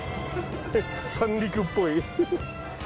三陸っぽい。